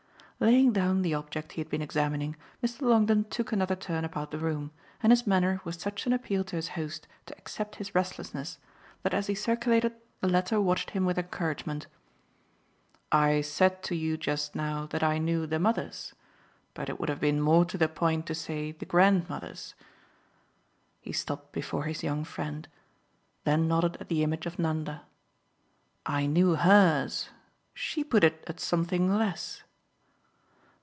Laying down the object he had been examining Mr. Longdon took another turn about the room, and his manner was such an appeal to his host to accept his restlessness that as he circulated the latter watched him with encouragement. "I said to you just now that I knew the mothers, but it would have been more to the point to say the grandmothers." He stopped before his young friend, then nodded at the image of Nanda. "I knew HERS. She put it at something less."